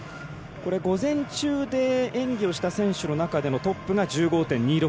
午前中で演技をした選手の中でのトップが１５．２６６